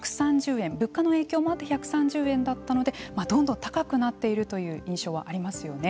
物価の影響もあって１３０円だったのでどんどん高くなっているという印象はありますよね。